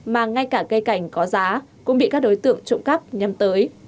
mà ngay cả cây cảnh có giá cũng bị các đối tượng trộm cắp nhắm tới